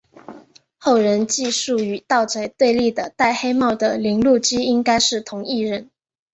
后人记述与盗贼对立的戴黑帽的铃鹿姬应该是同一人。